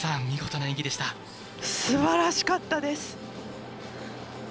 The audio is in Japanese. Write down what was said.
すばらしかったです！